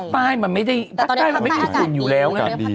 มันไม่ถูกคุณอยู่แล้ว